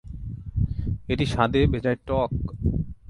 এটি স্বাদে বেজায় টক।